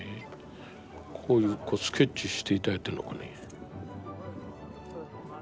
こういうスケッチして頂いてるのかね。